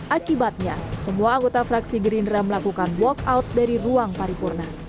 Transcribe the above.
akibatnya semua anggota fraksi gerindra melakukan walkout dari ruang paripurna